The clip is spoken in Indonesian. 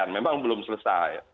memang belum selesai